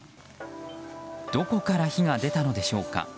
どこから火が出たのでしょうか。